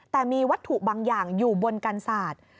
แต่มีวัตถุบางอย่างอยู่บนกันศาสตร์